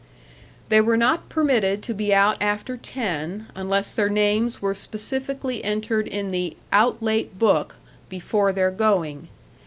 They were not permitted to be out after ten unless their names were specifically entered in the "Out late Book" before their going.